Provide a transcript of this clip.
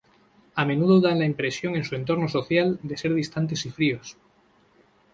A menudo dan la impresión en su entorno social, de ser distantes y fríos.